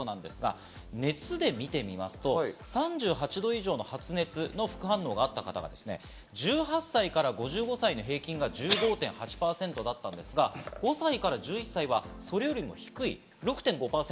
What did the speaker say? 熱で見てみますと３８度以上の発熱の副反応があった方が１８歳から５５歳の平均が１５．８％だったんですが、５歳から１１歳はそれよりも低い６．５％。